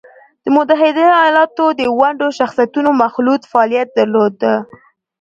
د متحده ایالاتو د ونډو شاخصونو مخلوط فعالیت درلود